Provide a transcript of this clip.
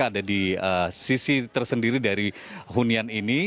ada di sisi tersendiri dari hunian ini